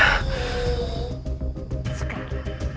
kau tidak bisa